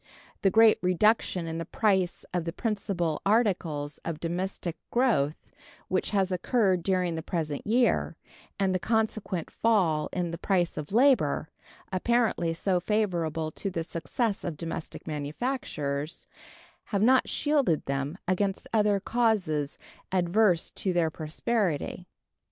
The great reduction in the price of the principal articles of domestic growth which has occurred during the present year, and the consequent fall in the price of labor, apparently so favorable to the success of domestic manufactures, have not shielded them against other causes adverse to their prosperity.